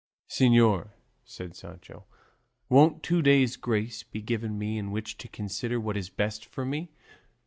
"Señor," said Sancho, "won't two days' grace be given me in which to consider what is best for me?"